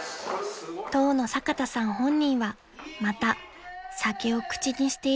［当の坂田さん本人はまた酒を口にしているようです］